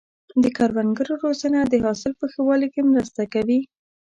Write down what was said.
د کروندګرو روزنه د حاصل په ښه والي کې مرسته کوي.